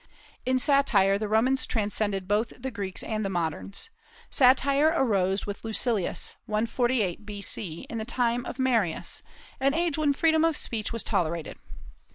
In satire the Romans transcended both the Greeks and the moderns. Satire arose with Lucilius, 148 B.C., in the time of Marius, an age when freedom of speech was tolerated.